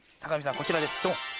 こちらですドン。